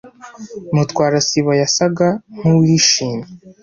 Mutwara sibo yasaga nkuwishimye.